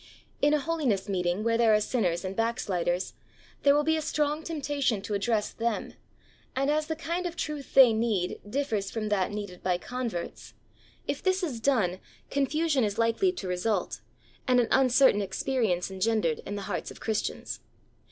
In a holiness meeting, where there are sinners and backsliders, there will be a strong temptation to address them, and as the kind of truth they need differs from that needed by converts, if this is done, confusion is likely to result and an uncertain experience engendered in the hearts of Christians.